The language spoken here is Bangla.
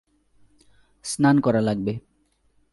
স্নান করা লাগবে।